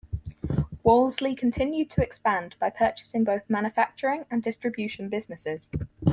Wolseley continued to expand by purchasing both manufacturing and distribution businesses.